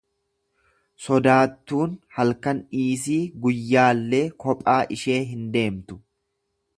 Sodaattuun halkan dhiisii guyyaallee kophaa ishee hin deemtu